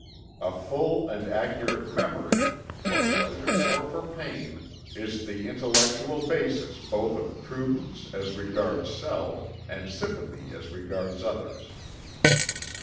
A full and accurate memory, for pleasure or for pain, is the intellectual basis both of prudence as regards self, and sympathy as regards others."